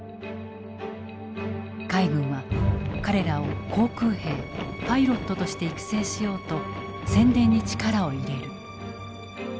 海軍は彼らを航空兵パイロットとして育成しようと宣伝に力を入れる。